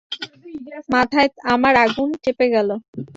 মাথায় আমার আগুন চেপে গেল।